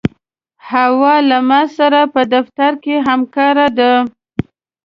حوا له ما سره په دفتر کې همکاره ده.